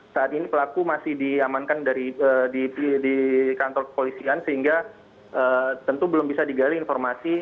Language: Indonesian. saat ini pelaku masih diamankan di kantor kepolisian sehingga tentu belum bisa digali informasi